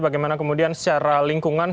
bagaimana kemudian secara lingkungan